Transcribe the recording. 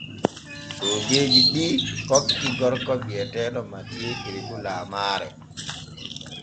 Soogeeji ɗi kokki gorko bi’eteeɗo MATHIEU KEREKOU laamaare.